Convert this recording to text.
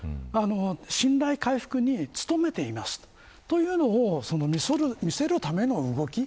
信頼回復に努めていますというのを見せるための動き